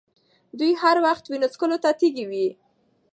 دوی هر وخت وینو څښلو ته تږي وي.